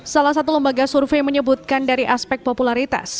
salah satu lembaga survei menyebutkan dari aspek popularitas